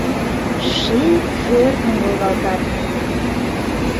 Ший-шӧртньын волгалтат.